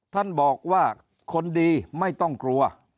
ท่านบอกว่าคนดีไม่ต้องกลัว